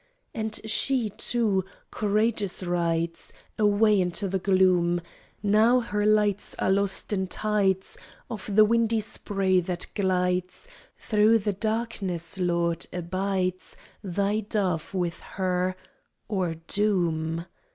And she, too, courageous rides Away into the gloom. Now her lights are lost in tides Of the windy spray that glides Thro the darkness, Lord, abides Thy Dove with her or Doom?